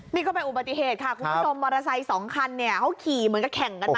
นี่ก็เป็นอุบัติเหตุค่ะคุณผู้ชมมอเตอร์ไซค์สองคันเนี่ยเขาขี่เหมือนกับแข่งกันมา